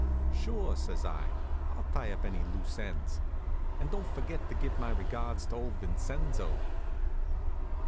"Sure," says I. "I'll tie up any loose ends. And don't forget to give my regards to old Vincenzo."